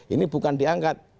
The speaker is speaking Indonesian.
ini bukan diangkat